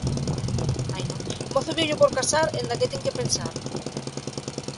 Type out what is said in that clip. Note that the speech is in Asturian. Mozu vieyu por casar en daqué tien que pensar.